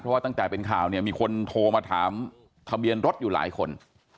เพราะว่าตั้งแต่เป็นข่าวเนี่ยมีคนโทรมาถามทะเบียนรถอยู่หลายคน